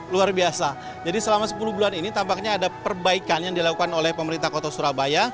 luar biasa jadi selama sepuluh bulan ini tampaknya ada perbaikan yang dilakukan oleh pemerintah kota surabaya